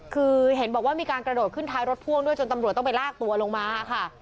คือเห็นบอกว่ามีการกระโดดขึ้นท้ายรถพ่วงด้วยจนตำรวจต้องไปลากตัวลงมาค่ะ